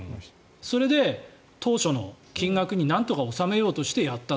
それで当初の金額になんとか収めようとしてやった。